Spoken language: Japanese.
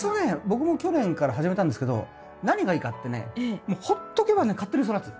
僕も去年から始めたんですけど何がいいかってねもうほっとけばね勝手に育つ。